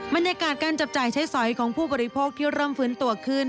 บรรยากาศการจับจ่ายใช้สอยของผู้บริโภคที่เริ่มฟื้นตัวขึ้น